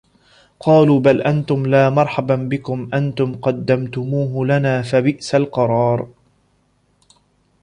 قالوا بَل أَنتُم لا مَرحَبًا بِكُم أَنتُم قَدَّمتُموهُ لَنا فَبِئسَ القَرارُ